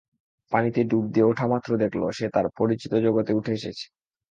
পানিতে ডুব দিয়ে ওঠামাত্র দেখল, সে তার পরিচিত জগতে উঠে এসেছে।